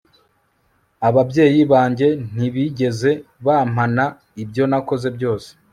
ababyeyi banjye ntibigeze bampana ibyo nakoze byose